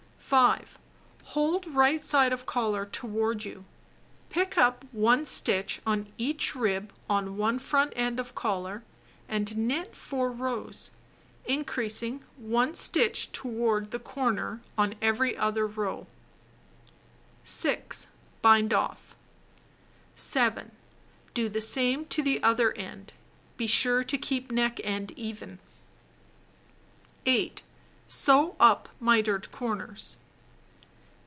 6. Hold right side of collar toward you. Pick up 1 stitch on each rib on one front end of collar, and knit 4 rows, increasing 1 stitch toward the corner on every other row. See picture below. 6. Bind off. 7. Do the same to the other end. Be sure to keep neck end even. 8. Sew up mitered corners.